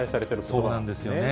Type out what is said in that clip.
そうなんですよね。